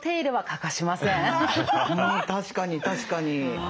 確かに確かに。